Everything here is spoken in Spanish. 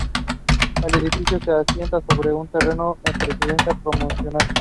El edificio se asienta sobre un terreno en pendiente pronunciada.